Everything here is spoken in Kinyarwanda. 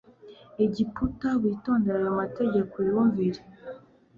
egiputa witondere ayo mategeko uyumvire